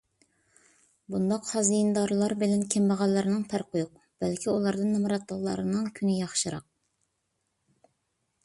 بۇنداق خەزىنىدارلار بىلەن كەمبەغەللەرنىڭ پەرقى يوق. بەلكى ئۇلاردىن نامراتلارنىڭ كۈنى ياخشىراق.